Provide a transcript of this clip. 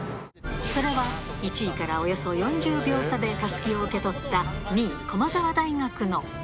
それは、１位からおよそ４０秒差でたすきを受け取った２位駒澤大学の。